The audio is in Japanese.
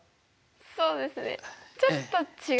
そうですねちょっと違う？